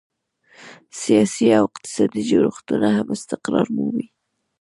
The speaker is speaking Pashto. سیاسي او اقتصادي جوړښتونه هم استقرار مومي.